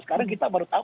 sekarang kita baru tahu